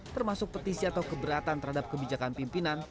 termasuk petisi atau keberatan terhadap kebijakan pimpinan